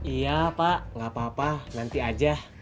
iya pak nggak apa apa nanti aja